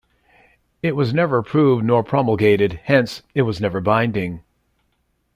It was never approved nor promulgated, hence, it was never binding.